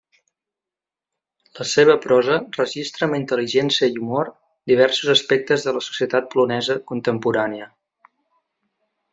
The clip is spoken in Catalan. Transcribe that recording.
La seva prosa registra amb intel·ligència i humor diversos aspectes de la societat polonesa contemporània.